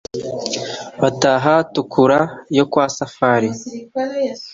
Bataha Tukura yo kwa Safari